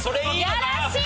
いやらしい！